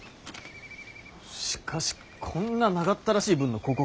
しかしこんな長ったらしい文の広告